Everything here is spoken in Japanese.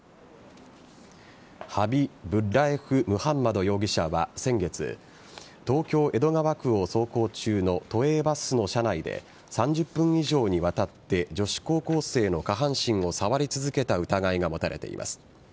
ハビブッラエフ・ムハンマド容疑者は先月東京・江戸川区を走行中の都営バスの車内で３０分以上にわたって女子高校生の下半身を触り続けた疑いが持たれています。